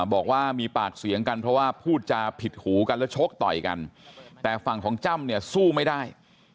บอกว่ามีปากเสียงกันเพราะว่าพูดจาผิดหูกันแล้วชกต่อยกันแต่ฝั่งของจ้ำเนี่ยสู้ไม่ได้